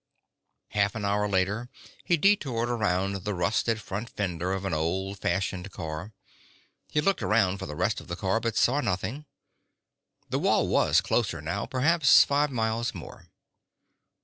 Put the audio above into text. Half an hour later he detoured around the rusted front fender of an old fashioned car. He looked around for the rest of the car but saw nothing. The wall was closer now; perhaps five miles more.